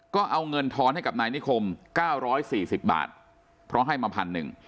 ก็เอาเงินทอนให้กับนายนิคม๙๔๐บาทเพราะให้มาพันหนึ่ง